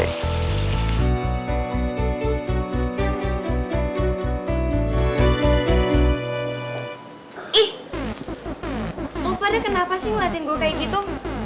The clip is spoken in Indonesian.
ih lo pada kenapa sih ngeliatin gue kayak gitu